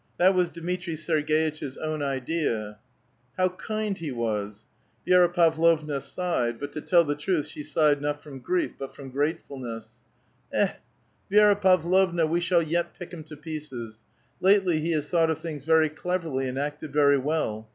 That was Dmitri iSerg^ itch's own idea." *' How kiud he was !" Vi^ra Pavlovna sighed ; but, to tell the truth, she sighed not from grief, but from gratefulness. '• Eh ! Vi^ra Pavlovna, we shall yet pick him to pieces. Lately he has thought of things very cleverly, and acted very well.